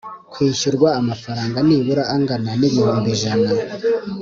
kwishyurwa amafaranga nibura angina n ibihumbi ijana